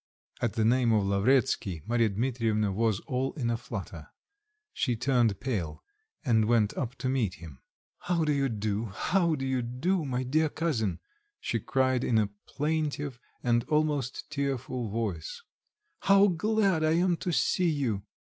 At the name of Lavretsky, Marya Dmitrievna was all in a flutter. She turned pale and went up to meet him. "How do you do, how do you do, my dear cousin?" she cried in a plaintive and almost tearful voice, "how glad I am to see you!"